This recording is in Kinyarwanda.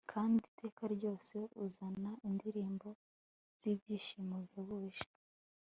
kandi iteka ryose, uzana indirimbo zibyishimo bihebuje